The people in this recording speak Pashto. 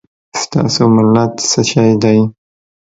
ستا ملت څه شی دی؟